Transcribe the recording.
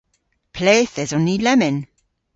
Ple'th eson ni lemmyn?